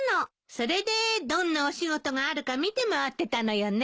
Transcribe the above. それでどんなお仕事があるか見て回ってたのよね。